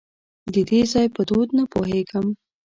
د دې ځای په دود نه پوهېږم .